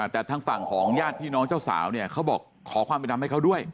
แต่ทางฝั่งของญาติพี่น้องเจ้าสาวเนี่ยเขาบอกขอความเป็นธรรมให้เขาด้วย